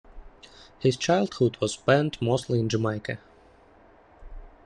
His childhood was spent mostly in Jamaica.